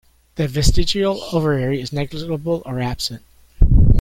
The vestigial ovary is negligible or absent.